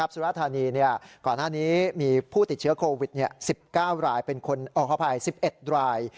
สุราภารณีก่อนหน้านี้มีผู้ติดเชื้อโควิดเป็น๑๑ราย